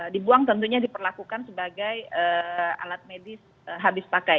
dibuang tentunya diperlakukan sebagai alat medis habis pakai